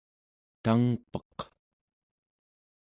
tangpeq